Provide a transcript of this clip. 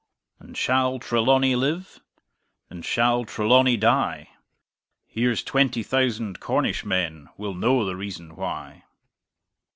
And shall Trelawny live? Or shall Trelawny die? Here's twenty thousand Cornish men Will know the reason why!